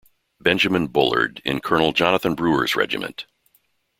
Benjamin Bullard in Colonel Jonathan Brewer's regiment.